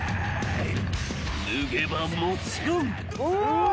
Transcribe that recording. ［脱げばもちろん］うわ！